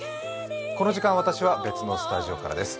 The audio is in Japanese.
この時間、私は別のスタジオからです。